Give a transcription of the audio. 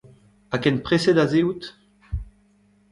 Ha ken preset ha se out ?